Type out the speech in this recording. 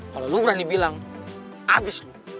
kalo lu berani bilang abis lu